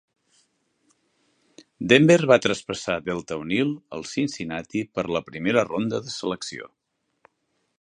Denver va traspassar Deltha O'Neal al Cincinnati per a la primera ronda de selecció.